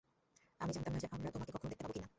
আমি জানতাম না যে আমরা তোমাকে কখনও দেখতে পাব কি না।